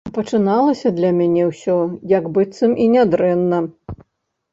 А пачыналася для мяне ўсё, як быццам і нядрэнна.